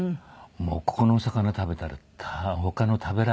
もうここのお魚食べたら他の食べられないぐらい。